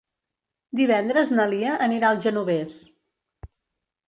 Divendres na Lia anirà al Genovés.